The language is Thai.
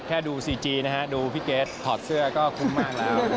แค่ดูซีจีดูพี่เกสถอดเสื้อก็คุ้มมากแล้ว